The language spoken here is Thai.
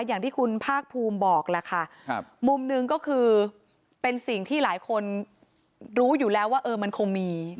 อย่างที่คุณภาคภูมิบอกแหละค่ะครับมุมหนึ่งก็คือเป็นสิ่งที่หลายคนรู้อยู่แล้วว่าเออมันคงมี